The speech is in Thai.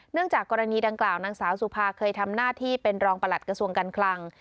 จากกรณีดังกล่าวนางสาวสุภาเคยทำหน้าที่เป็นรองประหลัดกระทรวงการคลัง